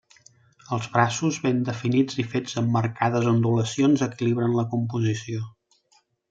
Els braços, ben definits i fets amb marcades ondulacions, equilibren la composició.